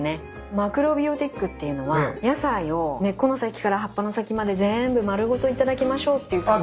マクロビオティックっていうのは野菜を根っこの先から葉っぱの先まで全部丸ごと頂きましょうっていう考え方。